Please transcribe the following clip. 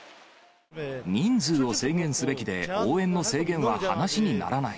人数を制限すべきで、応援の制限は話にならない。